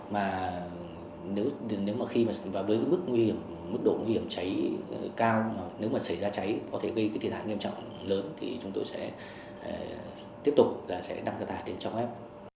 mà nếu mà khi mà với cái mức nguy hiểm mức độ nguy hiểm cháy cao nếu mà xảy ra cháy có thể gây cái thiệt hại nghiêm trọng lớn thì chúng tôi sẽ tiếp tục là sẽ đăng tải trên trang web